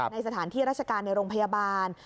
ในสถานที่ราชการในโรงพยาบาล